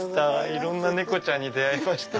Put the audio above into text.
いろんな猫ちゃんに出会いました。